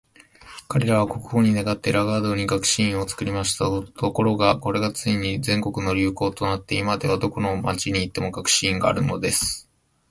彼等は国王に願って、このラガードに学士院を作りました。ところが、これがついに全国の流行となって、今では、どこの町に行っても学士院があるのです。